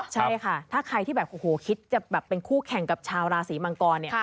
ใช่ค่ะถ้าใครที่แบบโอ้โหคิดจะแบบเป็นคู่แข่งกับชาวราศีมังกรเนี่ย